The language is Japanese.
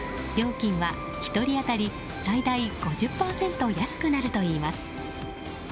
料金は１人当たり最大５０％安くなるといいます。